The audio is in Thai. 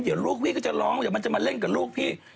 เดี๋ยวลูกพี่ก็จะร้องเดี๋ยวมันจะมาเล่นกับลูกพี่